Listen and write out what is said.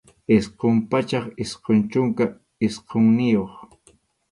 Isqun pachak isqun chunka isqunniyuq.